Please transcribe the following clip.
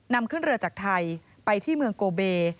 นำขึ้นเรือจากไทยไปที่เมืองโกเบ